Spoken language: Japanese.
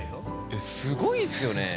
えすごいっすよね。